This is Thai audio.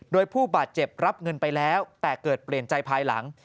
โดยผู้บาดเจ็บรับเงินไปแล้วแต่เกิดเปลี่ยนใจภายหลัง